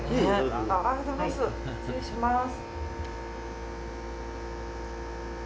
失礼します。